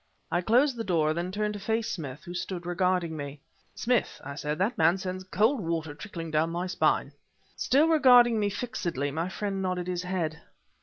I closed the door, then turned to face Smith, who stood regarding me. "Smith," I said, "that man sends cold water trickling down my spine!" Still regarding me fixedly, my friend nodded his head.